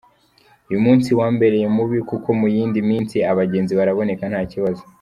Uyu munsi wambereye mubi kuko mu yindi minsi abagenzi baraboneka nta kibazo.